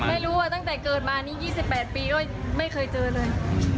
ไม่รู้ว่าตั้งแต่เกิดมานี้๒๘ปีก็ไม่เคยเจอเลย